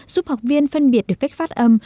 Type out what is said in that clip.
giúp học viên phân biệt được cách phát âm